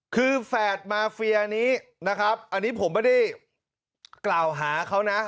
คือแฝดมาเฟียนี้นะครับอันนี้ผมไม่ได้กล่าวหาเขานะ